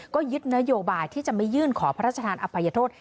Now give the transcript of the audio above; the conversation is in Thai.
ก็ยึดนโยบายที่จะไม่ยื่นขอพระราชทานอภัยโทษ